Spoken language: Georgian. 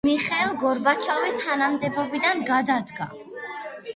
მიხეილ გორბაჩოვი თანამდებობიდან გადადგა.